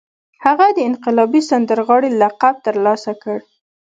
هغه د انقلابي سندرغاړي لقب ترلاسه کړ